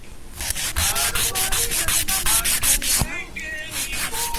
The place of origin of the manuscript is also unknown.